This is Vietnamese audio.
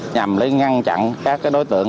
nhằm lấy ngăn chặn các đối tượng